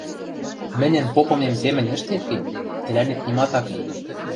Мӹньӹн попымем семӹнь ӹштет гӹнь, тӹлӓнет нимат ак ли.